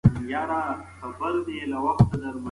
ناسمه پالېسي د میلیونونو خلکو ژوند ګواښي.